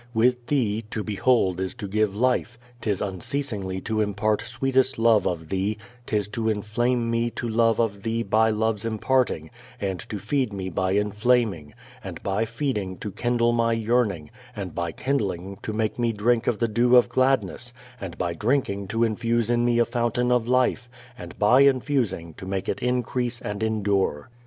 With Thee, to behold is to give life; 'tis unceasingly to impart sweetest love of Thee; 'tis to inflame me to love of Thee by love's imparting, and to feed me by inflaming, and by feeding to kindle my yearning, and by kindling to make me drink of the dew of gladness, and by drinking to infuse in me a fountain of life, and by infusing to make it increase and endure."